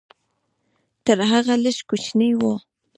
تر هغه لږ کوچنی و.